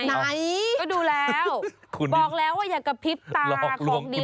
บอกแล้วว่าอย่ากระพริบตาคลอกดีของเด็ด